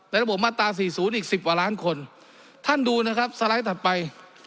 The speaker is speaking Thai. ในระบบมาตรา๔๐อีก๑๐ล้านคนท่านดูนะครับสไลด์ถัดไป